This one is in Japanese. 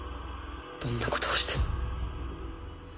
どんな事をしても。